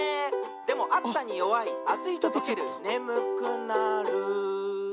「でもあつさによわいあついととけるねむくなる」